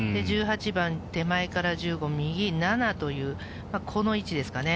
１８番手前から１５右７という、この位置ですかね。